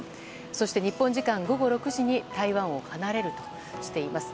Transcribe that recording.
そして日本時間午後６時に台湾を離れるとしています。